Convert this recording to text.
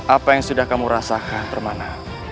apa yang sudah kamu rasakan permana